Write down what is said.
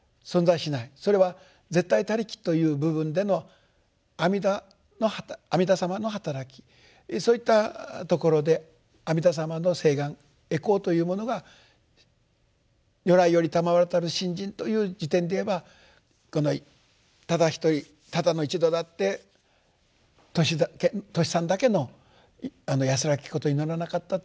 それは絶対他力という部分での阿弥陀様のはたらきそういったところで阿弥陀様の誓願回向というものが如来よりたまわりたる信心という時点でいえばこのただ一人ただの一度だってトシさんだけの安らけきことを祈らなかったという。